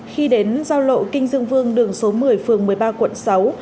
khi đến giao lộ kinh dương vương đường số một mươi phường một mươi ba quận sáu